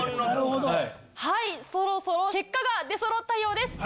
はいそろそろ結果が出そろったようです。